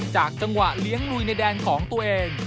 จังหวะเลี้ยงลุยในแดนของตัวเอง